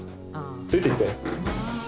ついてきて。